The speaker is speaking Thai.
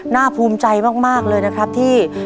ภูมิใจมากเลยนะครับที่